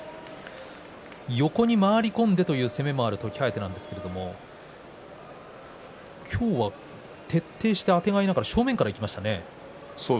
横に回り込んでという攻めもある時疾風なんですが今日は徹底して、あてがいながら正面からいきましたね。